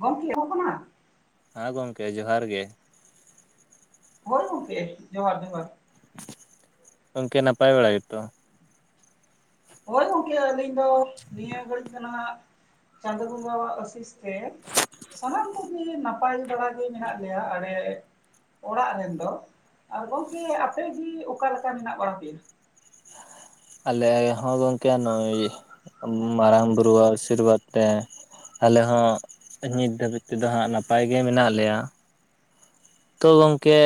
ᱜᱚᱢᱠᱮ [unintelligible] ᱠᱟᱱᱟ ᱦᱮᱸ ᱜᱚᱢᱠᱮ ᱡᱚᱦᱟᱨ ᱜᱮ ᱦᱳᱭ ᱜᱚᱝᱠᱮ ᱡᱚᱦᱟᱨ ᱡᱚᱦᱟᱨ ᱜᱚᱝᱠᱮ ᱱᱟᱯᱟᱭ ᱵᱟᱲᱟ ᱜᱮᱛᱚ ᱦᱳᱭ ᱜᱚᱝᱠᱮ ᱟᱹᱞᱤᱧ ᱫᱚ ᱱᱤᱭᱟᱹ ᱜᱷᱟᱹᱲᱤᱡ ᱫᱚ ᱱᱟᱦᱟᱜ ᱪᱟᱸᱫᱳ ᱵᱚᱸᱜᱟᱣᱟᱜ ᱟᱥᱤᱥ ᱛᱮ ᱥᱟᱱᱟᱢ ᱠᱚᱜᱮ ᱱᱟᱯᱟᱭ ᱵᱟᱲᱟᱜᱮ ᱢᱮᱱᱟᱜ ᱞᱮᱭᱟ ᱟᱞᱮ ᱚᱲᱟᱜ ᱨᱮᱱ ᱫᱚ ᱟᱨ ᱜᱚᱝᱠᱮ ᱟᱯᱮ ᱜᱮ ᱚᱠᱟ ᱞᱮᱠᱟ ᱢᱮᱱᱟᱜ ᱵᱟᱲᱟ ᱯᱮᱭᱟ ᱟᱞᱮ ᱦᱚᱸ ᱜᱚᱝᱠᱮ ᱱᱩ ᱩᱭ ᱢᱟᱨᱟᱝ ᱵᱩᱨᱩ ᱟᱥᱤᱨᱵᱟᱫᱽ ᱛᱮ ᱟᱞᱮ ᱦᱚᱸ ᱱᱤᱛ ᱫᱷᱟᱹᱵᱤᱡ ᱛᱮᱫᱚ ᱦᱟᱸᱜ ᱱᱟᱯᱟᱭ ᱜᱮ ᱢᱮᱱᱟᱜ ᱞᱮᱭᱟ ᱛᱚ ᱜᱚᱝᱠᱮ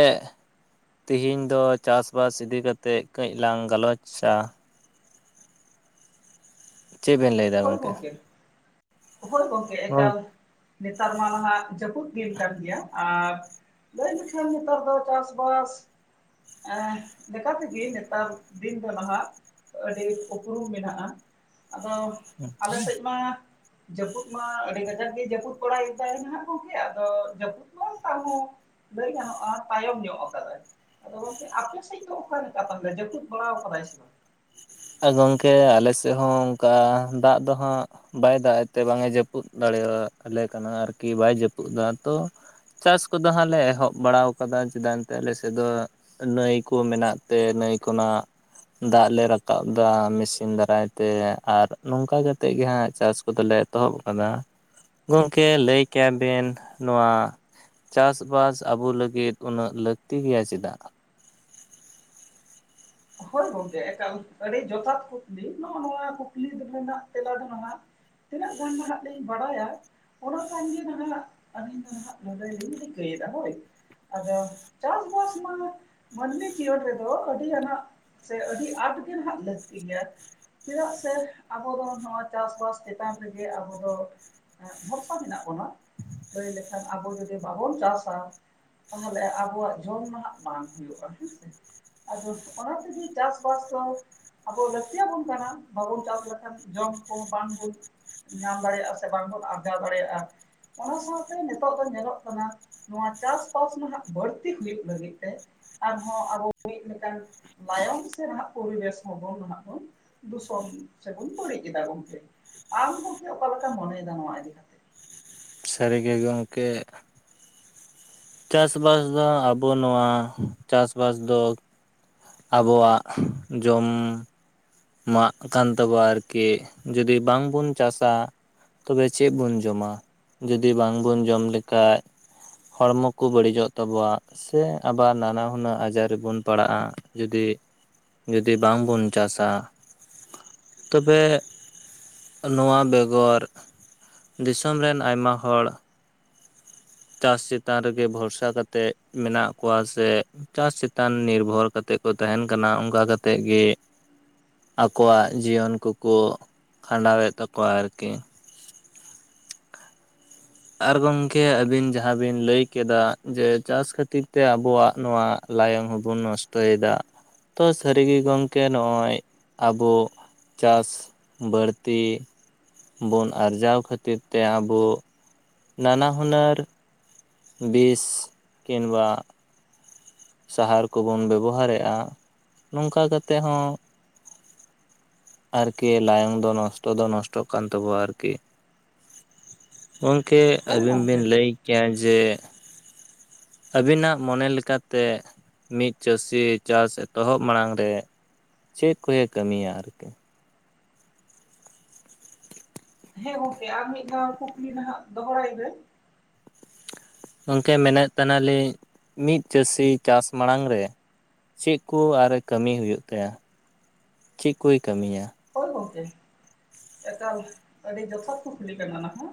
ᱛᱤᱦᱤᱧ ᱫᱚ ᱪᱟᱥᱵᱟᱥ ᱤᱫᱤ ᱠᱟᱛᱮᱫ ᱠᱟᱹᱡ ᱞᱟᱝ ᱜᱟᱞᱚᱪ-ᱟ ᱪᱮᱫ ᱵᱮᱱ ᱞᱟᱹᱭ ᱫᱟ ᱦᱳᱭ ᱜᱚᱢᱠᱮ ᱦᱳᱭ ᱜᱚᱢᱠᱮ ᱜᱚᱝ ᱮᱠᱟᱞ ᱱᱮᱛᱟᱨ ᱢᱟ ᱱᱟᱦᱟᱜ ᱡᱟᱹᱯᱩᱫ ᱫᱤᱱ ᱠᱟᱱ ᱜᱮᱭᱟ ᱟᱨ ᱞᱟᱹᱭ ᱞᱮᱠᱷᱟᱱ ᱱᱮᱛᱟᱨ ᱫᱚ ᱪᱟᱥᱵᱟᱥ ᱞᱮᱠᱟ ᱛᱮᱜᱮ ᱱᱮᱛᱟᱨ ᱫᱤᱱ ᱫᱚ ᱱᱟᱦᱟᱸᱜ ᱟᱹᱰᱤ ᱩᱯᱨᱩᱢ ᱢᱮᱱᱟᱜᱼᱟ ᱟᱫᱚ ᱟᱞᱮ ᱥᱮᱡ ᱢᱟ ᱡᱟᱹᱯᱩᱫ ᱢᱟ ᱟᱹᱰᱤ ᱠᱟᱡᱟᱠ ᱜᱮ ᱡᱟᱹᱯᱩᱫ ᱵᱟᱲᱟᱭᱮᱫᱟᱭ ᱱᱟᱦᱟᱸᱜ ᱜᱚᱝᱠᱮ ᱟᱫᱚ ᱡᱟᱹᱯᱩᱫ ᱢᱟᱦᱟ ᱛᱚ ᱟᱫᱚ ᱞᱟᱹᱭ ᱜᱟᱱᱚᱜ-ᱟ ᱛᱟᱭᱚᱢ ᱧᱚᱜ ᱟᱠᱟᱫᱟᱭ ᱟᱫᱚ ᱜᱚᱝᱠᱮ ᱟᱯᱮ ᱥᱮᱫ ᱫᱚ ᱚᱠᱟ ᱞᱮᱠᱟ ᱛᱟᱦᱚᱞᱮ ᱡᱟᱹᱯᱩᱫ ᱵᱟᱲᱟᱣᱟᱠᱟᱫᱟᱭ ᱥᱮ ᱵᱟᱝ ᱜᱚᱢᱠᱮ ᱟᱞᱮ ᱥᱮᱫ ᱦᱚᱸ ᱚᱱᱠᱟ ᱫᱟᱜ ᱫᱚ ᱦᱟᱸᱜ ᱵᱟᱭ ᱫᱟᱜ ᱮᱜ ᱛᱮ ᱵᱟᱝ ᱮ ᱡᱟᱹᱯᱩᱫ ᱫᱟᱲᱮᱭᱟᱞᱮ ᱠᱟᱱᱟ ᱟᱨᱠᱤ ᱵᱟᱭ ᱡᱟᱹᱯᱩᱫ ᱫᱟ ᱛᱚ ᱪᱟᱥ ᱠᱚᱫᱚ ᱦᱟᱸᱜ ᱞᱮ ᱮᱦᱚᱵ ᱵᱟᱲᱟᱣᱠᱟᱫᱟ ᱪᱮᱫᱟᱭ ᱮᱱᱛᱮ ᱟᱞᱮ ᱥᱮᱫ ᱫᱚ ᱱᱟᱹᱭ ᱠᱚ ᱢᱮᱱᱟᱜ ᱛᱮ ᱱᱟᱹᱭ ᱠᱷᱚᱱᱟᱜ ᱫᱟᱜ ᱞᱮ ᱨᱟᱠᱟᱵ ᱠᱟᱵ ᱫᱟ ᱢᱤᱥᱤᱱ ᱫᱟᱨᱟᱭ ᱛᱮ ᱟᱨ ᱱᱚᱝᱠᱟ ᱠᱟᱛᱮᱫ ᱜᱮ ᱦᱟᱸᱜ ᱪᱟᱥ ᱠᱚᱫᱚ ᱞᱮ ᱮᱛᱚᱦᱚᱵ ᱟᱠᱟᱫᱟ᱾ ᱜᱚᱝᱠᱮ ᱞᱟᱹᱭ ᱠᱮᱭᱟᱵᱮᱱ ᱱᱚᱶᱟ ᱪᱟᱥ ᱵᱟᱥ ᱟᱵᱚ ᱞᱟᱹᱜᱤᱫ ᱩᱱᱟᱹᱜ ᱞᱟᱹᱠᱛᱤ ᱜᱮᱭᱟ ᱪᱮᱫᱟᱜ? ᱦᱚᱭ ᱜᱚᱝᱠᱮ ᱮᱠᱟᱞ ᱟᱹᱰᱤ ᱡᱚᱛᱷᱟᱛ ᱠᱩᱠᱞᱤ ᱱᱚᱜᱼᱚ ᱱᱚᱶᱟ ᱠᱩᱠᱞᱤ ᱨᱮᱱᱟᱜ ᱛᱮᱞᱟ ᱫᱚ ᱱᱚᱶᱟ᱾ ᱛᱤᱱᱟᱹᱜ ᱜᱟᱱ ᱱᱟᱦᱟᱜ ᱞᱤᱧ ᱵᱟᱲᱟᱭᱟ᱾ ᱚᱱᱟ ᱠᱷᱚᱱ ᱜᱮ ᱱᱟᱦᱟᱜ ᱟᱹᱞᱤᱧ ᱫᱚ ᱱᱟᱦᱟᱜ ᱞᱟᱹᱞᱟᱹᱭ ᱞᱤᱧ ᱨᱤᱠᱟᱹᱭᱮᱫᱟ ᱦᱚᱭ ᱟᱫᱚ ᱪᱟᱥᱵᱟᱥ ᱢᱟ ᱢᱟᱹᱱᱢᱤ ᱡᱤᱭᱚᱱ ᱨᱮᱫᱚ ᱟᱹᱰᱤ ᱟᱱᱟᱜ ᱥᱮ ᱟᱹᱰᱤ ᱟᱸᱴ ᱜᱮ ᱱᱟᱦᱟᱜ ᱞᱟᱹᱠᱛᱤ ᱜᱮᱭᱟ᱾ ᱪᱮᱫᱟᱜ ᱥᱮ ᱟᱵᱚ ᱫᱚ ᱱᱚᱶᱟ ᱪᱟᱥᱵᱟᱥ ᱪᱮᱛᱟᱱ ᱨᱮᱜᱮ ᱟᱵᱚ ᱫᱚ ᱦᱮᱸ ᱵᱷᱚᱨᱥᱟ ᱢᱮᱱᱟᱜ ᱵᱚᱱᱟ ᱞᱟᱹᱭ ᱞᱮᱠᱷᱟᱱ ᱟᱵᱚ ᱡᱩᱫᱤ ᱵᱟᱵᱚᱱ ᱪᱟᱥᱟ ᱛᱟᱦᱞᱮ ᱟᱵᱚᱣᱟᱜ ᱡᱚᱢ ᱱᱟᱦᱟᱜ ᱵᱟᱝ ᱦᱩᱭᱩᱜᱼᱟ ᱦᱮᱸ ᱥᱮ ᱟᱫᱚ ᱚᱱᱟ ᱛᱤᱜᱤ ᱪᱟᱥᱵᱟᱥ ᱫᱚ ᱟᱵᱚ ᱞᱟᱹᱠᱛᱤ ᱭᱟᱵᱚᱱ ᱠᱟᱱᱟ ᱵᱟᱵᱚᱱ ᱪᱟᱥ ᱞᱮᱠᱷᱟᱱ ᱡᱚᱢ ᱠᱚ ᱵᱟᱝᱵᱚᱱ ᱧᱟᱢ ᱫᱟᱲᱮᱭᱟᱜᱼᱟ ᱥᱮ ᱵᱟᱝᱵᱚᱱ ᱟᱨᱡᱟᱣ ᱫᱟᱲᱮᱭᱟᱜᱼᱟ ᱚᱱᱟ ᱥᱟᱶᱛᱮ ᱱᱤᱛᱚᱜ ᱫᱚ ᱧᱮᱞᱚᱜ ᱠᱟᱱᱟ᱾ ᱱᱚᱶᱟ ᱪᱟᱥᱵᱟᱥ ᱱᱟᱦᱟᱜ ᱵᱟᱹᱲᱛᱤ ᱦᱩᱭᱩᱜ ᱞᱟᱹᱜᱤᱫ ᱛᱮ ᱟᱨᱦᱚᱸ ᱟᱵᱚ ᱢᱤᱫ ᱞᱮᱠᱟᱱ ᱞᱟᱭᱚᱝ ᱥᱮ ᱱᱟᱦᱟᱜ ᱯᱚᱨᱤᱵᱮᱥ ᱦᱚᱵᱚᱱ ᱦᱟᱸᱜ ᱵᱚᱱ ᱫᱩᱥᱚᱱ ᱥᱮᱵᱚᱱ ᱵᱟᱹᱲᱤᱡ ᱮᱫᱟ ᱜᱚᱝᱠᱮ ᱟᱢᱦᱚᱸ ᱠᱤ ᱚᱠᱟ ᱞᱮᱠᱟᱢ ᱢᱚᱱᱮᱭᱮᱫᱟ ᱱᱚᱣᱟ ᱤᱫᱤ ᱠᱟᱛᱮᱫ? ᱥᱟᱹᱨᱤ ᱜᱮ ᱜᱚᱝᱠᱮ ᱪᱟᱥᱵᱟᱥ ᱫᱚ ᱟᱵᱚ ᱱᱚᱶᱟ ᱪᱟᱥᱵᱟᱥ ᱫᱚ ᱟᱵᱚᱣᱟᱜ ᱡᱚᱢ ᱢᱟᱜ ᱠᱟᱱ ᱛᱟᱵᱚ ᱟ. ᱨᱠᱤ ᱡᱩᱫᱤ ᱵᱟᱝᱵᱚᱱ ᱪᱟᱥᱟ ᱛᱚᱵᱮ ᱪᱮᱫ ᱵᱚᱱ ᱡᱚᱢᱟ ᱡᱩᱫᱤ ᱵᱟᱝᱵᱚᱱ ᱡᱚᱢ ᱞᱮᱠᱷᱟᱡ ᱦᱚᱲᱢᱚ ᱠᱚ ᱵᱟᱹᱲᱤᱡᱚᱜ ᱛᱟᱵᱚᱣᱟᱜ ᱥᱮ ᱟᱵᱟᱨ ᱱᱟᱱᱟ ᱦᱩᱱᱟᱹᱨ ᱟᱡᱟᱨ ᱨᱮᱵᱚᱱ ᱯᱟᱲᱟᱜᱼᱟ ᱡᱩᱫᱤ ᱡᱩᱫᱤ ᱵᱟᱝ ᱵᱚᱱ ᱪᱟᱥᱟ ᱛᱚᱵᱮ ᱱᱚᱶᱟ ᱵᱮᱜᱚᱨ ᱫᱤᱥᱚᱢ ᱨᱮᱱ ᱟᱭᱢᱟ ᱦᱚᱲ ᱪᱟᱥ ᱪᱮᱛᱟᱱ ᱨᱮᱜᱮ ᱵᱷᱚᱨᱥᱟ ᱠᱟᱛᱮᱫ ᱢᱮᱱᱟᱜ ᱠᱚᱣᱟ ᱥᱮ ᱪᱟᱥ ᱪᱮᱛᱟᱱ ᱱᱤᱨᱵᱷᱚᱨ ᱠᱟᱛᱮᱫ ᱠᱚ ᱛᱟᱦᱮᱱ ᱠᱟᱱᱟ ᱚᱱᱠᱟ ᱠᱟᱛᱮᱜ ᱜᱮ᱾ ᱟᱠᱚᱣᱟᱜ ᱡᱤᱭᱚᱱ ᱠᱚᱠᱚ ᱠᱷᱟᱸᱰᱟᱣᱮᱫ ᱛᱟᱠᱚᱣᱟ ᱟᱨᱠᱤ᱾ ᱟᱨ ᱜᱚᱝᱠᱮ ᱟᱹᱵᱤᱱ ᱡᱟᱦᱟᱸ ᱵᱤᱱ ᱞᱟᱹᱭ ᱠᱮᱫᱟ ᱡᱮ ᱪᱟᱥ ᱠᱷᱟᱹᱛᱤᱨ ᱛᱮ ᱟᱵᱚᱣᱟᱜ ᱱᱚᱶᱟ ᱞᱟᱭᱚᱝ ᱦᱚᱵᱚᱱ ᱱᱚᱥᱴᱚᱭᱮᱫᱟ ᱛᱚ ᱥᱟᱹᱨᱤᱜᱮ ᱜᱚᱝᱠᱮ ᱱᱚᱜᱼᱚᱭ ᱟᱵᱚ ᱪᱟᱥ ᱵᱟᱹᱲᱛᱤ ᱵᱚᱱ ᱟᱨᱡᱟᱣ ᱠᱷᱟᱹᱛᱤᱨ ᱛᱮ ᱟᱵᱚ ᱱᱟᱱᱟ ᱦᱩᱱᱟᱹᱨ ᱵᱤᱥ ᱠᱤᱱᱵᱟ ᱥᱟᱦᱟᱨ ᱠᱚᱵᱚᱱ ᱵᱮᱵᱚᱦᱟᱨᱮᱜ-ᱟ ᱱᱚᱝᱠᱟ ᱠᱟᱛᱮ ᱦᱚᱸ ᱟᱨᱠᱤ ᱞᱟᱭᱚᱝ ᱫᱚ ᱱᱚᱥᱴᱚ ᱫᱚ ᱱᱚᱥᱴᱚᱜ ᱠᱟᱱ ᱛᱟᱵᱚᱣᱟ ᱟᱨᱠᱤ ᱜᱚᱝᱠᱮ ᱦᱳᱭ ᱟᱹᱵᱤᱱ ᱵᱤᱱ ᱜᱚᱢᱠᱮ ᱞᱟᱹᱭ ᱠᱮᱭᱟ ᱡᱮ ᱟᱹᱵᱤᱱᱟᱜ ᱢᱚᱱᱮ ᱞᱮᱠᱟᱛᱮ ᱢᱤᱫ ᱪᱟᱹᱥᱤ ᱪᱟᱥ ᱮᱛᱚᱦᱚᱵ ᱢᱟᱲᱟᱝ ᱨᱮ ᱪᱮᱫ ᱠᱚᱭᱮ ᱠᱟᱹᱢᱤᱭᱟ ᱟᱨᱠᱤ ᱦᱮᱸ ᱜᱚᱝᱠᱮ ᱟᱨ ᱢᱤᱫ ᱫᱷᱟᱣ ᱠᱩᱠᱞᱤ ᱱᱟᱦᱟᱜ ᱫᱚᱦᱲᱟᱭ ᱵᱮᱱ ᱜᱚᱝᱠᱮ ᱢᱮᱱᱮᱫ ᱛᱟᱦᱮᱱᱟ. ᱞᱤᱧ ᱢᱤᱫ ᱪᱟᱹᱥᱤ ᱪᱟᱥ ᱢᱟᱲᱟᱝ ᱨᱮ ᱪᱮᱫ ᱠᱚ ᱟᱨᱮ ᱠᱟᱹᱢᱤ ᱦᱩᱭᱩᱜ ᱛᱟᱭᱟ, ᱪᱮᱫ ᱠᱚᱭ ᱠᱟᱹᱢᱤᱭᱟ? ᱦᱚᱭ ᱜᱚᱝᱠᱮ ᱮᱠᱟᱞ ᱟᱹᱰᱤ ᱡᱚᱛᱷᱟᱛ ᱠᱩᱠᱞᱤ ᱠᱟᱱᱟ ᱚᱱᱟ ᱦᱚᱸ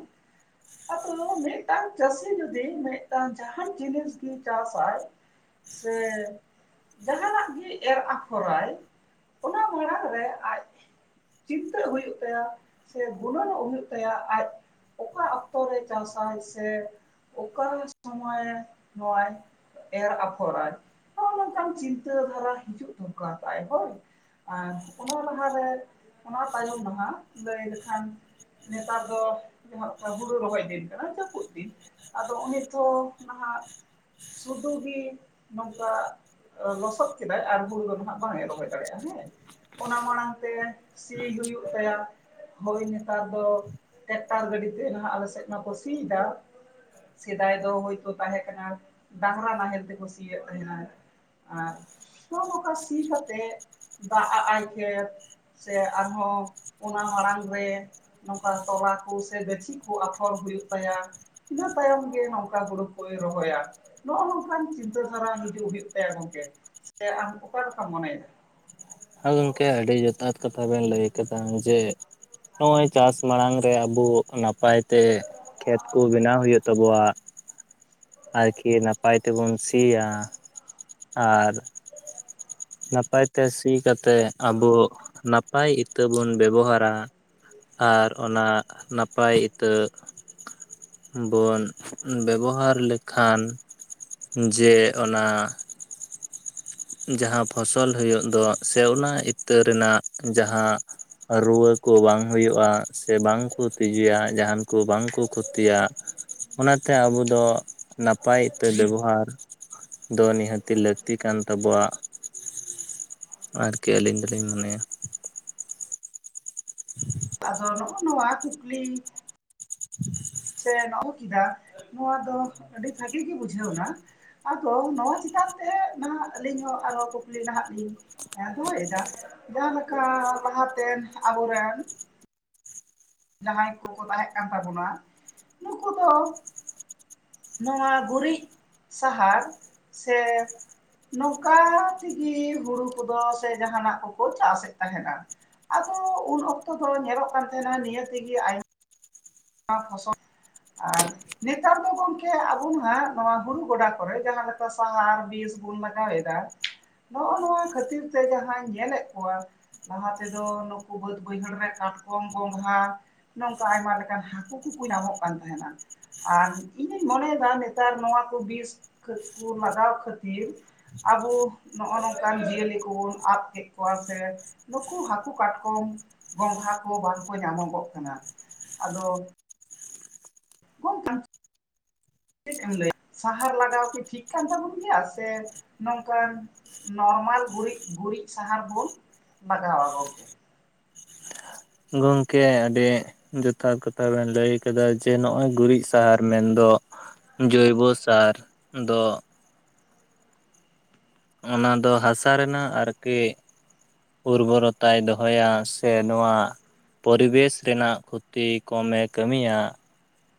ᱟᱫᱚ ᱢᱤᱫᱴᱟᱝ ᱪᱟᱹᱥᱤ ᱡᱩᱫᱤ ᱢᱤᱫᱴᱟᱝ ᱡᱟᱦᱟᱱ ᱡᱤᱱᱤᱥ ᱜᱮ ᱪᱟᱥᱟᱭ ᱥᱮ ᱡᱟᱦᱟᱸᱱᱟᱜ ᱜᱮ ᱮᱨ ᱟᱯᱷᱚᱨᱟᱭ ᱚᱱᱟ ᱢᱟᱲᱟᱝ ᱨᱮ ᱟᱡ ᱪᱤᱱᱛᱟᱹᱜ ᱦᱩᱭᱩᱜ ᱛᱟᱭᱟ ᱥᱮ ᱜᱩᱱᱟᱹᱱᱚᱜ ᱦᱩᱭᱩᱜ ᱛᱟᱭᱟ ᱟᱡ ᱚᱠᱟ ᱚᱠᱛᱚ ᱨᱮ ᱪᱟᱥᱟᱭ ᱥᱮ ᱚᱠᱟ ᱥᱚᱢᱚᱭ ᱱᱚᱶᱟᱭ ᱮᱨ ᱟᱯᱷᱚᱨᱟᱭ ᱱᱚᱜᱼᱚ ᱱᱚᱝᱠᱟᱱ ᱪᱤᱱᱛᱟᱹ ᱫᱷᱟᱨᱟ ᱦᱤᱡᱩᱜ ᱫᱚᱨᱠᱟᱨ ᱛᱟᱭ ᱦᱚᱭ ᱟᱨ ᱚᱱᱟ ᱞᱟᱦᱟᱨᱮ ᱚᱱᱟ ᱛᱟᱭᱚᱢ ᱱᱟᱦᱟᱜ ᱞᱟᱹᱭ ᱞᱮᱠᱷᱟᱱ ᱱᱮᱛᱟᱨ ᱫᱚ ᱦᱩᱲᱩ ᱨᱚᱦᱚᱭ ᱫᱤᱱ ᱠᱟᱱᱟ ᱡᱟᱹᱯᱩᱫ ᱫᱤᱱ ᱟᱫᱚ ᱩᱱᱤ ᱛᱚ ᱱᱟᱦᱟᱜ ᱥᱩᱫᱩ ᱜᱤ ᱱᱚᱝᱠᱟ ᱞᱚᱥᱚᱫ ᱠᱮᱫᱟᱭ ᱟᱨ ᱦᱩᱲᱩ ᱫᱚ ᱦᱟᱸᱜ ᱵᱟᱝ ᱮ ᱨᱚᱦᱚᱭ ᱫᱟᱲᱮᱟᱜᱼᱟ ᱦᱮᱸ ᱚᱱᱟ ᱢᱟᱲᱟᱝ ᱛᱮ ᱥᱤ ᱦᱩᱭᱩᱜ ᱛᱟᱭᱟ ᱦᱳᱭ ᱱᱮᱛᱟᱨ ᱫᱚ ᱴᱮᱠᱴᱟᱨ ᱜᱟᱹᱰᱤ ᱛᱮ ᱱᱟᱦᱟᱜ ᱟᱞᱮᱥᱮᱫ ᱢᱟᱠᱚ ᱥᱤ ᱫᱟ ᱥᱮᱫᱟᱭ ᱫᱚ ᱦᱳᱭ ᱛᱚ ᱛᱟᱦᱮᱸ ᱠᱟᱱᱟ ᱰᱟᱝᱨᱟ ᱱᱟᱦᱮᱞ ᱛᱮᱠᱚ ᱥᱤᱭᱮᱫ ᱛᱟᱦᱮᱸᱱᱟ ᱟᱨ ᱱᱚ ᱱᱚᱝᱠᱟ ᱥᱤ ᱠᱟᱛᱮᱫ ᱫᱟᱜ ᱟᱜᱟᱭ ᱠᱷᱮᱛ ᱥᱮ ᱟᱨᱦᱚᱸ ᱚᱱᱟ ᱢᱟᱲᱟᱲ ᱨᱮ ᱱᱚᱝᱠᱟ ᱛᱚᱞᱟ ᱠᱚ ᱥᱮ ᱜᱟᱹᱪᱷᱤ ᱠᱚ ᱟᱯᱷᱚᱨ ᱦᱩᱭᱩᱜ ᱛᱟᱭᱟ ᱤᱱᱟᱹ ᱛᱟᱭᱚᱢ ᱜᱮ ᱱᱚᱝᱠᱟ ᱦᱳᱲᱳ ᱠᱚᱭ ᱨᱚᱦᱚᱭᱟ ᱱᱚᱜᱼᱚ ᱱᱚᱝᱠᱟᱱ ᱪᱤᱱᱛᱟᱹ ᱫᱷᱟᱨᱟ ᱦᱤᱡᱩᱜ ᱦᱩᱭᱩᱜ ᱛᱟᱭᱟ ᱜᱚᱝᱠᱮ ᱥᱮ ᱟᱢ ᱚᱠᱟ ᱞᱮᱠᱟᱢ ᱢᱚᱱᱮᱭᱮᱫᱟ ᱦᱮᱸ ᱜᱚᱢᱠᱮ ᱟᱹᱰᱤ ᱡᱚᱛᱷᱟᱛ ᱠᱟᱛᱷᱟ ᱵᱮᱱ ᱞᱮ ᱠᱟᱫᱟ ᱡᱮ ᱱᱚᱜᱼᱚᱭ ᱪᱟᱥ ᱢᱟᱲᱟᱝ ᱨᱮ ᱟᱵᱚ ᱱᱟᱯᱟᱭ ᱛᱮ ᱠᱷᱮᱛ ᱠᱚ ᱵᱮᱱᱟᱣ ᱦᱳᱭᱳᱜ ᱛᱟᱵᱚᱣᱟ ᱟᱨᱠᱤ ᱱᱟᱯᱟᱭ ᱛᱮᱵᱚᱱ ᱥᱤᱭᱟ ᱟᱨ ᱱᱟᱯᱟᱭ ᱛᱮ ᱥᱤ ᱠᱟᱛᱮ ᱟᱵᱚ ᱱᱟᱯᱟᱭ ᱤᱛᱟᱹ ᱵᱚᱱ ᱵᱮᱵᱚᱦᱟᱨᱟ ᱟᱨ ᱚᱱᱟ ᱱᱟᱯᱟᱭ ᱤᱛᱟᱹ ᱵᱚᱱ ᱵᱮᱵᱚᱦᱟᱨ ᱞᱮᱠᱷᱟᱱ ᱡᱮ ᱚᱱᱟ ᱡᱟᱦᱟᱸ ᱯᱷᱚᱥᱚᱞ ᱦᱩᱭᱩᱜ ᱫᱚ ᱥᱮ ᱚᱱᱟ ᱤᱛᱟᱹ ᱨᱮᱱᱟᱜ ᱡᱟᱦᱟᱸ ᱨᱩᱣᱟᱹ ᱠᱚ ᱵᱟᱝ ᱦᱳᱭᱳᱜᱼᱟ ᱥᱮ ᱵᱟᱝ ᱠᱚ ᱛᱤᱡᱩᱭᱟ ᱡᱟᱦᱟᱱ ᱠᱚ ᱵᱟᱝ ᱠᱚ ᱠᱷᱚᱛᱤᱭᱟ ᱚᱱᱟᱛᱮ ᱟᱵᱚ ᱫᱚ ᱱᱟᱯᱟᱭ ᱤᱛᱟᱹ ᱵᱮᱵᱚᱦᱟᱨ ᱫᱚ ᱱᱤᱦᱟᱹᱛ ᱛᱤ ᱞᱟᱹᱠᱛᱤ ᱠᱟᱱ ᱛᱟᱵᱚᱣᱟ ᱟᱨᱠᱤ ᱟᱹᱞᱤᱧ ᱫᱚᱞᱤᱧ ᱢᱚᱱᱮᱭᱟ [unintelligible] ᱟᱫᱚ ᱱᱚᱜᱼᱚ ᱱᱚᱣᱟ ᱠᱩᱠᱞᱤ [unintelligible] ᱥᱮ ᱱᱚᱦᱚ ᱠᱮᱫᱟ ᱱᱚᱣᱟ ᱫᱚ ᱟᱹᱰᱤ ᱵᱷᱟᱹᱜᱮ ᱜᱮ ᱵᱩᱡᱷᱟᱹᱣ ᱱᱟ ᱟᱫᱚ ᱱᱚᱣᱟ ᱪᱮᱛᱟᱱ ᱛᱮ ᱱᱟᱦᱟᱜ ᱟᱹᱞᱤᱧ ᱦᱚᱸ ᱟᱨᱦᱚᱸ ᱠᱩᱠᱞᱤ ᱱᱟᱦᱟᱜ ᱞᱤᱧ ᱦᱮᱸ ᱫᱚᱦᱚᱭᱮᱫᱟ ᱡᱟᱦᱟᱸ ᱞᱮᱠᱟ ᱞᱟᱦᱟᱛᱮᱱ ᱟᱵᱚᱨᱮᱱ ᱡᱟᱦᱟᱸᱭ ᱠᱚ ᱠᱚ ᱛᱟᱦᱮᱸ ᱠᱟᱱ ᱛᱟᱵᱚᱱᱟ ᱱᱩᱠᱩ ᱫᱚ ᱱᱚᱣᱟ ᱜᱩᱨᱤᱡ ᱥᱟᱦᱟᱨ ᱥᱮ ᱱᱚᱝᱠᱟ ᱛᱮᱜᱮ ᱦᱩᱲᱩ ᱠᱚᱫᱚ ᱥᱮ ᱡᱟᱦᱱᱟᱜ ᱠᱚᱠᱚ ᱪᱟᱥᱮᱫ ᱛᱟᱦᱮᱸᱱᱟ ᱟᱫᱚ ᱩᱱ ᱚᱠᱛᱚ ᱫᱚ ᱧᱮᱞᱚᱜ ᱠᱟᱱ ᱛᱟᱦᱮᱱᱟ ᱱᱤᱭᱟᱹ ᱛᱮᱜᱮ ᱟᱭᱢᱟ ᱚᱱᱟ ᱯᱷᱚᱥᱚᱞ ᱟᱨ ᱱᱮᱛᱟᱨ ᱫᱚ ᱜᱚᱝᱠᱮ ᱟᱵᱚ ᱦᱟᱸᱜ ᱱᱚᱣᱟ ᱦᱩᱨᱩ ᱜᱚᱰᱟ ᱠᱚᱨᱮᱜ ᱡᱟᱦᱟᱸ ᱞᱮᱠᱟ ᱥᱟᱦᱟᱨ ᱵᱤᱥ ᱵᱚᱱ ᱢᱟᱜᱟᱣ ᱮᱫᱟ ᱱᱚᱜᱼᱚ ᱱᱚᱣᱟ ᱠᱷᱟᱹᱛᱤᱨ ᱛᱮ ᱡᱟᱦᱟᱸᱧ ᱧᱮᱞᱮᱫ ᱠᱚᱣᱟ ᱞᱟᱦᱟ ᱛᱮᱫᱚ ᱱᱩᱠᱩ ᱵᱟᱹᱫ ᱵᱟᱹᱭᱦᱟᱹᱲ ᱨᱮ ᱠᱟᱴᱠᱚᱢ ᱜᱚᱸᱜᱷᱟ ᱱᱚᱝᱠᱟ ᱟᱭᱢᱟ ᱞᱮᱠᱟ ᱦᱟᱹᱠᱩ ᱠᱚᱠᱚ ᱧᱟᱢᱚᱜ ᱠᱟᱱ ᱛᱟᱦᱮᱱᱟ ᱟᱨ ᱤᱧᱤᱧ ᱢᱚᱱᱮᱭᱮᱫᱟ ᱱᱮᱛᱟᱨ ᱱᱚᱣᱟ ᱠᱚ ᱵᱤᱥ ᱠᱚ ᱞᱟᱜᱟᱣ ᱠᱷᱟᱹᱛᱤᱨ ᱟᱵᱚ ᱱᱚᱜᱼᱚ ᱱᱚᱝᱠᱟᱱ ᱡᱤᱭᱟᱹᱞᱤ ᱠᱚᱵᱚᱱ ᱟᱫ ᱠᱮᱫ ᱠᱚᱣᱟ ᱥᱮ ᱱᱩᱠᱩ ᱦᱟᱹᱠᱩ ᱠᱟᱴᱠᱚᱢ ᱜᱚᱝᱜᱷᱟ ᱠᱚ ᱵᱟᱝᱠᱚ ᱧᱟᱢᱚᱜᱚᱜ ᱠᱟᱱᱟ ᱟᱫᱚ ᱠᱚ ᱛᱚᱝ ᱪᱮᱫ ᱮᱢ ᱞᱟᱹ ᱥᱟᱦᱟᱨ ᱞᱟᱜᱟᱣ ᱠᱤ ᱴᱷᱤᱠ ᱠᱟᱱ ᱛᱟᱵᱚᱱ ᱜᱮᱭᱟ ᱥᱮ ᱱᱚᱝᱠᱟᱱ ᱱᱚᱨᱢᱟᱞ ᱜᱩᱨᱤᱡ ᱜᱩᱨᱤᱡ ᱥᱟᱦᱟᱨ ᱵᱩᱱ ᱞᱟᱜᱟᱣᱟ ᱜᱚᱝᱠᱮ ᱜᱚᱢᱠᱮ ᱟᱹᱰᱤ ᱡᱚᱛᱷᱟᱛ ᱠᱟᱛᱷᱟ ᱵᱮᱱ ᱞᱟᱹᱭ ᱟᱠᱟᱫᱟ ᱡᱮ ᱱᱚᱜ ᱚᱚᱭ ᱜᱩᱨᱤᱡ ᱥᱟᱦᱟᱨ ᱢᱮᱱᱫᱚ ᱡᱳᱭᱵᱚ ᱥᱟᱨ ᱫᱚ ᱚᱱᱟ ᱫᱚ ᱦᱟᱥᱟ ᱨᱮᱱᱟᱜ ᱟᱨᱠᱤ ᱩᱨᱵᱚᱨᱚᱛᱟᱭ ᱫᱚᱦᱚᱭᱟ ᱥᱮ ᱱᱚᱣᱟ ᱯᱚᱨᱤᱵᱮᱥ ᱨᱮᱱᱟᱜ ᱠᱷᱚᱛᱤ ᱠᱚᱢᱮ ᱠᱟᱹᱢᱤᱭᱟ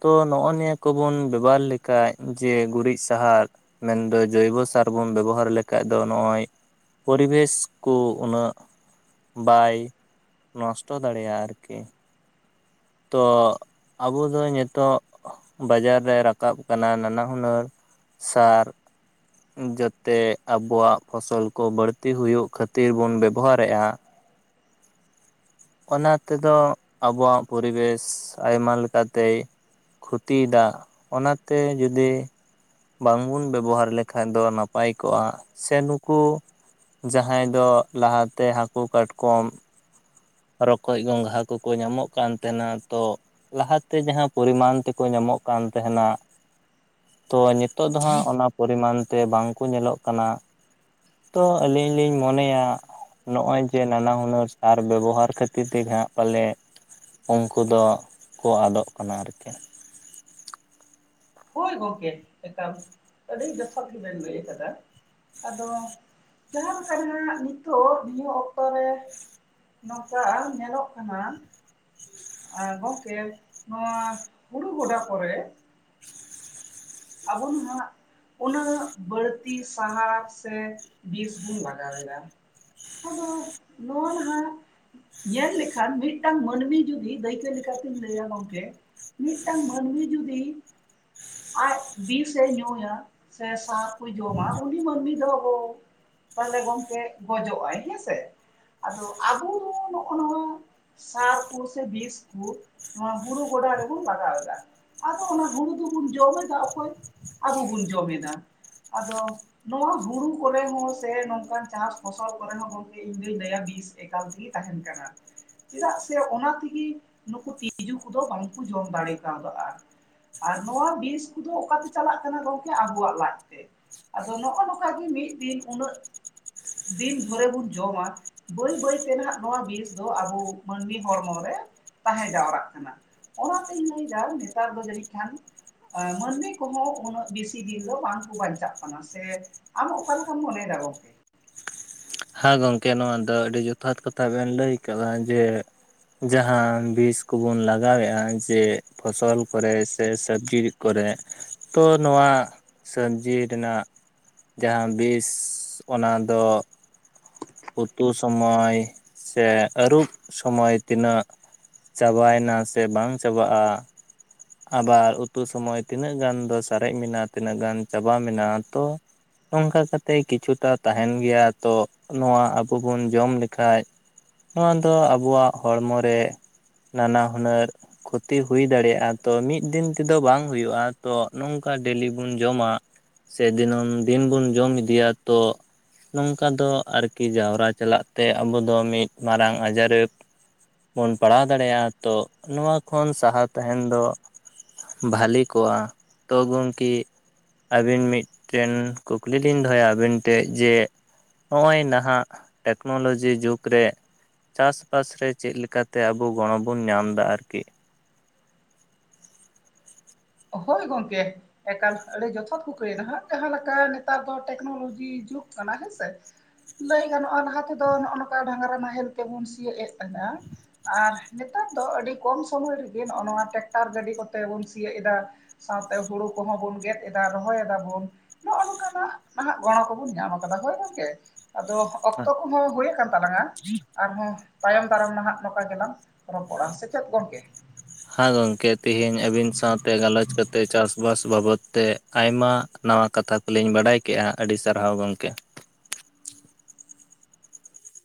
ᱛᱚ ᱱᱚᱜᱼᱚ ᱱᱤᱭᱟᱹ ᱠᱚᱵᱚᱱ ᱵᱮᱵᱚᱦᱟᱨ ᱞᱮᱠᱷᱟᱡ ᱡᱮ ᱜᱩᱨᱤᱡ ᱥᱟᱦᱟᱨ ᱢᱮᱱᱫᱚ ᱡᱳᱭᱵᱚᱥᱟᱨ ᱵᱚᱱ ᱵᱮᱵᱚᱦᱟᱨ ᱞᱮᱠᱷᱟᱡ ᱫᱚ ᱱᱚᱜᱼᱚᱭ ᱯᱚᱨᱤᱵᱮᱥ ᱠᱚ ᱩᱱᱟᱹᱜ ᱵᱟᱭ ᱱᱚᱥᱴᱚ ᱫᱟᱲᱮᱭᱟᱜᱼᱟ ᱟᱨᱠᱤ ᱛᱚ ᱟᱵᱚ ᱫᱚ ᱱᱤᱛᱚᱜ ᱵᱟᱡᱟᱨ ᱨᱮ ᱨᱟᱠᱟᱵ ᱠᱟᱱᱟ ᱱᱟᱱᱟᱦᱩᱱᱟᱹᱨ ᱥᱟᱨ ᱡᱟᱛᱮ ᱟᱵᱚᱣᱟᱜ ᱯᱷᱚᱥᱚᱞ ᱠᱚ ᱵᱟᱹᱲᱛᱤ ᱦᱩᱭᱩᱜ ᱠᱷᱟᱹᱛᱤᱨ ᱵᱚᱱ ᱵᱮᱵᱚᱦᱟᱨᱮᱜᱼᱟ ᱚᱱᱟ ᱛᱮᱫᱚ ᱟᱵᱚᱣᱟᱜ ᱯᱚᱨᱤᱵᱮᱥ ᱟᱭᱢᱟ ᱞᱮᱠᱟᱛᱮᱭ ᱠᱷᱚᱛᱤᱭᱮᱫᱟ ᱚᱱᱟ ᱛᱮ ᱡᱩᱫᱤ ᱵᱟᱝ ᱵᱚᱱ ᱵᱮᱵᱚᱦᱟᱨ ᱞᱮᱠᱷᱟᱡ ᱫᱚ ᱱᱟᱯᱟᱭ ᱠᱚᱜᱼᱟ ᱥᱮ ᱱᱩᱠᱩ ᱡᱟᱦᱟᱸᱭ ᱫᱚ ᱞᱟᱦᱟᱛᱮ ᱦᱟᱹᱠᱩ ᱠᱟᱴᱠᱚᱢ ᱨᱚᱠᱚᱡ ᱜᱚᱝᱜᱷᱟ ᱠᱚᱠᱚ ᱧᱟᱢᱚᱜ ᱠᱟᱱ ᱛᱟᱦᱮᱱᱟ ᱛᱚ ᱞᱟᱦᱟᱛᱮ ᱡᱟᱦᱟᱸ ᱯᱚᱨᱤᱢᱟᱱ ᱛᱮᱠᱚ ᱧᱟᱢᱚᱜ ᱠᱟᱱ ᱛᱟᱦᱮᱱᱟ ᱛᱚ ᱱᱤᱛᱚᱜ ᱫᱚ ᱦᱟᱸᱜ ᱚᱱᱟ ᱯᱚᱨᱤᱢᱟᱱ ᱛᱮ ᱵᱟᱝᱠᱚ ᱧᱮᱞᱚᱜ ᱠᱟᱱᱟ ᱛᱚ ᱟᱞᱤᱧ ᱞᱤᱧ ᱢᱚᱱᱮᱭᱟ ᱱᱚᱜ ᱚᱭ ᱡᱮ ᱱᱟᱱᱟ ᱦᱩᱱᱟᱹᱨ ᱥᱟᱨ ᱵᱮᱵᱚᱦᱟᱨ ᱠᱷᱟᱹᱛᱤᱨ ᱛᱮᱜᱮ ᱦᱟᱸᱜ ᱯᱟᱞᱮᱫ ᱩᱱᱠᱩ ᱫᱚ ᱠᱚ ᱟᱫᱚᱜ ᱠᱟᱱᱟ ᱟᱨᱠᱤ ᱦᱳᱭ ᱜᱚᱢᱠᱮ ᱮᱠᱟᱞ ᱟᱹᱰᱤ ᱡᱚᱛᱷᱟᱛ ᱜᱮᱵᱮᱱ ᱞᱟᱹᱭ ᱟᱠᱟᱫᱟ ᱟᱫᱚ ᱡᱟᱦᱟᱸ ᱞᱮᱠᱟ ᱱᱟᱦᱜ ᱱᱤᱛᱚᱜ ᱱᱤᱭᱟᱹ ᱚᱠᱛᱚ ᱨᱮ ᱱᱚᱝᱠᱟ ᱧᱮᱞᱚᱜ ᱠᱟᱱᱟ ᱜᱚᱝᱠᱮ ᱱᱚᱣᱟ ᱦᱩᱲᱩ ᱜᱚᱰᱟ ᱠᱚᱨᱮ ᱟᱵᱚ ᱦᱟᱸᱜ ᱩᱱᱟᱹᱜ ᱵᱟᱹᱲᱛᱤ ᱥᱟᱦᱟᱨ ᱥᱮ ᱵᱤᱥ ᱵᱩᱱ ᱞᱟᱜᱟᱣ ᱮᱫᱟ ᱟᱫᱚ ᱱᱚᱭᱟ ᱱᱟᱦᱟᱜ ᱧᱮᱞ ᱞᱮᱠᱷᱟᱱ ᱢᱤᱫᱴᱟᱝ ᱢᱟᱹᱱᱢᱤ ᱡᱩᱫᱤ ᱫᱟᱹᱭᱠᱟᱹ ᱛᱤᱧ ᱞᱟᱹᱭᱟ ᱜᱚᱢᱠᱮ ᱢᱤᱫᱴᱟᱝ ᱢᱟᱹᱱᱢᱤ ᱡᱩᱫᱤ ᱟᱡ ᱵᱤᱥᱮ ᱧᱩᱭᱟ ᱥᱮ ᱥᱟᱨ ᱠᱚᱭ ᱡᱚᱢᱟ ᱩᱱᱤ ᱢᱟᱹᱱᱢᱤ ᱫᱚ ᱟᱵᱚ ᱛᱟᱦᱚᱞᱮ ᱜᱚᱝᱠᱮ ᱜᱚᱡᱚᱜ ᱟᱭ ᱦᱮᱸᱥᱮ ᱟᱫᱚ ᱟᱵᱚ ᱫᱚ ᱱᱚᱜᱼᱚ ᱱᱚᱣᱟ ᱥᱟᱨ ᱠᱚᱥᱮ ᱵᱤᱥ ᱠᱚ ᱱᱚᱣᱟ ᱦᱩᱲᱩ ᱜᱚᱰᱟ ᱨᱮᱵᱚᱱ ᱞᱟᱜᱟᱣ ᱮᱫᱟ ᱟᱫᱚ ᱚᱱᱟ ᱦᱩᱲᱩ ᱫᱚᱵᱚᱱ ᱡᱚᱢᱮᱫᱟ ᱚᱠᱚᱭ ᱟᱵᱚ ᱵᱚᱱ ᱡᱚᱢᱮᱫᱟ ᱟᱫᱚ ᱱᱚᱣᱟ ᱦᱩᱲᱩ ᱠᱚᱨᱮ ᱦᱚᱸ ᱥᱮ ᱱᱚᱝᱠᱟᱱ ᱪᱟᱥ ᱯᱷᱚᱥᱚᱞ ᱠᱚᱨᱮ ᱦᱚᱸ ᱜᱚᱝᱠᱮ ᱤᱧᱫᱩᱧ ᱞᱟᱹᱭᱟ ᱵᱤᱥ ᱮᱠᱟᱞ ᱛᱤᱜᱤ ᱛᱟᱦᱮᱱ ᱠᱟᱱᱟ ᱪᱮᱫᱟᱜ ᱥᱮ ᱚᱱᱟ ᱛᱤᱜᱤ ᱱᱩᱠᱩ ᱛᱤᱡᱩ ᱠᱚᱫᱚ ᱵᱟᱝᱠᱚ ᱡᱚᱢ ᱫᱟᱲᱮ ᱠᱟᱣᱫᱟ ᱟᱨ ᱟᱨ ᱱᱚᱣᱟ ᱵᱤᱥ ᱠᱚᱫᱚ ᱚᱠᱟᱛᱮ ᱪᱟᱞᱟᱜ ᱠᱟᱱᱟ ᱜᱚᱝᱠᱮ ᱟᱵᱚᱣᱟᱜ ᱞᱟᱡ ᱛᱮ ᱟᱫᱚ ᱱᱚᱜ-ᱚ ᱱᱚᱠᱟ ᱜᱮ ᱢᱤᱫ ᱫᱤᱱ ᱩᱱᱟᱹᱜ ᱫᱤᱱ ᱫᱷᱚᱨᱮ ᱵᱚᱱ ᱡᱚᱢᱟ ᱵᱟᱹᱭ ᱵᱟᱹᱭ ᱛᱮ ᱱᱟᱜ ᱱᱚᱣᱟ ᱵᱤᱥ ᱫᱚ ᱟᱵᱚ ᱢᱟᱹᱱᱢᱤ ᱦᱚᱲᱢᱚ ᱨᱮ ᱛᱟᱦᱮᱸ ᱡᱟᱣᱨᱟᱜ ᱠᱟᱱᱟ ᱚᱱᱟᱛᱤᱧ ᱞᱟᱹᱭ ᱫᱟ ᱱᱮᱛᱟᱨ ᱫᱚ ᱡᱟᱹᱱᱤᱡ ᱠᱷᱟᱱ ᱮᱸ ᱢᱟᱹᱱᱢᱤ ᱠᱚᱦᱚᱸ ᱩᱱᱟᱹᱜ ᱵᱤᱥᱤ ᱫᱤᱱ ᱫᱚ ᱵᱟᱝ ᱠᱚ ᱵᱟᱧᱪᱟᱜ ᱠᱟᱱᱟ ᱥᱮ ᱟᱢ ᱚᱠᱟ ᱞᱮᱠᱟᱢ ᱢᱚᱱᱮᱭ ᱫᱟ ᱜᱚᱝᱠᱮ ᱦᱮᱸ ᱜᱚᱝᱠᱮ ᱱᱚᱣᱟ ᱫᱚ ᱟᱹᱰᱤ ᱡᱚᱛᱷᱟᱛ ᱠᱟᱛᱷᱟ ᱵᱮᱱ ᱞᱟᱹᱭ ᱠᱟᱫᱟ ᱡᱮ ᱡᱟᱦᱟᱸ ᱵᱤᱥ ᱠᱚᱵᱚᱱ ᱞᱟᱜᱟᱣᱮᱜ-ᱟ ᱡᱮ ᱯᱷᱚᱥᱚᱞ ᱠᱚᱨᱮ ᱥᱮ ᱥᱟᱹᱵᱽᱡᱤ ᱠᱚᱨᱮ ᱛᱚ ᱱᱚᱣᱟ ᱥᱟᱹᱵᱽᱡᱤ ᱨᱮᱱᱟᱜ ᱡᱟᱦᱟᱸ ᱵᱤᱥ ᱚᱱᱟ ᱫᱚ ᱩᱛᱩ ᱥᱚᱢᱚᱭ ᱥᱮ ᱟᱹᱨᱩᱵ ᱥᱚᱢᱚᱭ ᱛᱤᱱᱟᱹᱜ ᱪᱟᱵᱟᱭᱮᱱᱟ ᱥᱮ ᱵᱟᱝ ᱪᱟᱵᱟᱜ-ᱟ ᱟᱵᱟᱨ ᱩᱛᱩ ᱥᱚᱢᱚᱭ ᱛᱤᱱᱟᱹᱜ ᱜᱟᱱ ᱫᱚ ᱥᱟᱨᱮᱡ ᱢᱮᱱᱟᱜ ᱛᱤᱱᱟᱹᱜ ᱜᱟᱱ ᱪᱟᱵᱟ ᱢᱮᱱᱟᱜ-ᱟ ᱛᱚ ᱱᱚᱝᱠᱟ ᱠᱟᱛᱮ ᱠᱤᱪᱷᱩᱴᱟ ᱛᱟᱦᱮᱱ ᱜᱮᱭᱟ ᱛᱚ ᱱᱚᱣᱟ ᱟᱵᱚ ᱵᱚᱱ ᱡᱚᱢ ᱞᱮᱠᱷᱟᱡ ᱱᱚᱣᱟ ᱫᱚ ᱟᱵᱚᱣᱟᱜ ᱦᱚᱲᱢᱚ ᱨᱮ ᱱᱟᱱᱟ ᱦᱩᱱᱟᱹᱨ ᱠᱷᱚᱛᱤ ᱦᱩᱭ ᱫᱟᱲᱮᱭᱟᱜ-ᱟ ᱛᱚ ᱢᱤᱫ ᱫᱤᱱ ᱛᱮᱫᱚ ᱵᱟᱝ ᱦᱩᱭᱩᱜ-ᱟ ᱛᱚ ᱱᱚᱝᱠᱟ ᱰᱮᱞᱤ ᱵᱚᱱ ᱡᱚᱢᱟ ᱥᱮ ᱫᱤᱱᱟᱹᱢ ᱫᱤᱱ ᱵᱚᱱ ᱡᱚᱢ ᱤᱫᱤᱭᱟ ᱛᱚ ᱱᱚᱝᱠᱟ ᱫᱚ ᱟᱨᱠᱤ ᱡᱟᱣᱨᱟ ᱪᱟᱞᱟᱜ ᱛᱮ ᱟᱵᱚ ᱫᱚ ᱢᱤᱫ ᱢᱟᱨᱟᱝ ᱟᱡᱟᱨᱮ ᱵᱚᱱ ᱯᱟᱲᱟᱣ ᱫᱟᱲᱮᱭᱟᱜ-ᱟ ᱛᱚ ᱱᱚᱣᱟ ᱠᱷᱚᱱ ᱥᱟᱦᱟ ᱛᱟᱦᱮᱱ ᱫᱚ ᱵᱷᱟᱞᱤ ᱠᱚᱜ-ᱟ ᱛᱚ ᱜᱚᱝᱠᱮ ᱟᱹᱵᱤᱱ ᱢᱤᱜᱴᱮᱱ ᱠᱩᱠᱞᱤ ᱞᱤᱧ ᱫᱚᱦᱚᱭᱟ ᱟᱵᱤᱱ ᱴᱷᱮᱡ ᱡᱮ ᱦᱸᱚᱜ-ᱚᱭ ᱱᱟᱦᱟᱜ ᱴᱮᱠᱱᱳᱞᱚᱡᱤ ᱡᱩᱜᱽ ᱨᱮ ᱪᱟᱥ ᱵᱟᱥ ᱨᱮ ᱪᱮᱫ ᱞᱮᱠᱟᱛᱮ ᱟᱵᱚ ᱜᱚᱲᱚ ᱵᱚᱱ ᱧᱟᱢ ᱫᱟ ᱟᱨᱠᱤ ᱦᱳᱭ ᱜᱚᱝᱠᱮ ᱮᱠᱟᱞ ᱟᱹᱰᱤ ᱡᱚᱛᱷᱟᱛ ᱠᱚᱠᱤᱭ ᱱᱟ ᱦᱟᱜ ᱡᱟᱦᱟᱸ ᱞᱮᱠᱟ ᱱᱮᱛᱟᱨ ᱫᱚ ᱴᱮᱠᱱᱳᱞᱚᱡᱤ ᱡᱩᱜᱽ ᱠᱟᱱᱟ ᱦᱮᱸᱥᱮ ᱞᱟᱹᱭ ᱜᱟᱱᱚᱜ-ᱟ ᱞᱟᱦᱟ ᱛᱮᱫᱚ ᱱᱚᱜ-ᱚ ᱱᱚᱠᱟ ᱰᱟᱝᱨᱟ ᱱᱟᱦᱮᱞ ᱛᱮᱵᱚᱱ ᱥᱤᱭᱳᱜ ᱮᱜ ᱛᱟᱦᱮᱸ-ᱟ ᱟᱨ ᱱᱮᱛᱟᱨ ᱫᱚ ᱟᱹᱰᱤ ᱠᱚᱢ ᱥᱚᱢᱚᱭ ᱨᱤᱜᱤ ᱱᱚᱜ-ᱚ ᱱᱚᱣᱟ ᱴᱮᱠᱴᱟᱨ ᱜᱟᱹᱰᱤ ᱠᱚᱛᱮ ᱵᱚᱱ ᱥᱤᱭᱳᱜ ᱮᱫᱟ ᱥᱟᱶᱛᱮ ᱦᱩᱲᱩ ᱠᱚᱦᱚᱸ ᱵᱚᱱ ᱜᱮᱫ ᱮᱫᱟ ᱨᱚᱦᱚᱭ ᱮᱫᱟ ᱵᱚᱱ ᱱᱚᱜ-ᱚ ᱱᱚᱠᱟᱱᱟᱜ ᱱᱟᱦᱟᱜ ᱜᱚᱲᱚ ᱠᱚᱵᱚᱱ ᱧᱟᱢ ᱠᱟᱫᱟ ᱦᱳᱭ ᱜᱚᱝᱠᱮ ᱟᱫᱚ ᱚᱠᱛᱚ ᱠᱚᱦᱚᱸ ᱦᱳᱭ ᱟᱠᱟᱱ ᱛᱟᱞᱟᱝ-ᱟ ᱟᱨᱦᱚᱸ ᱛᱟᱭᱚᱢ ᱫᱟᱨᱟᱢ ᱱᱟᱦᱟᱜ ᱱᱚᱝᱠᱟ ᱜᱮᱞᱟᱝ ᱨᱚᱯᱚᱲᱟ ᱥᱮ ᱪᱮᱫ ᱜᱚᱝᱠᱮ ᱦᱟᱸ ᱜᱚᱝᱠᱮ ᱛᱤᱦᱤᱧ ᱟᱹᱵᱤᱱ ᱥᱟᱶᱛᱮ ᱜᱟᱞᱚᱪ ᱠᱟᱛᱮᱫ ᱪᱟᱥ ᱵᱟᱥ ᱵᱟᱵᱚᱛ ᱛᱮ ᱟᱭᱢᱟ ᱱᱟᱣᱟ ᱠᱟᱛᱷᱟ ᱠᱚᱞᱤᱧ ᱵᱟᱰᱟᱭ ᱠᱮᱜ-ᱟ ᱟᱹᱰᱤ ᱥᱟᱨᱦᱟᱣ ᱜᱚᱝᱠᱮ